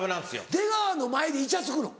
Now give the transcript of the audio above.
出川の前でイチャつくの？